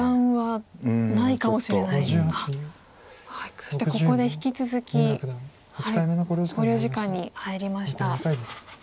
そしてここで引き続き考慮時間に入りました。